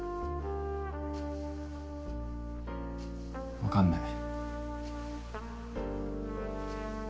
分かんない。